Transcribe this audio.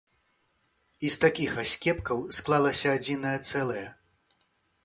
І з такіх аскепкаў склалася адзінае цэлае.